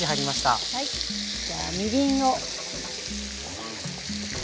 じゃあみりんを。